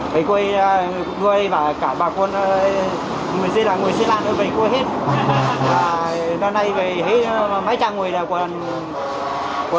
các người và cả bà con người di là người xây làng về quê hết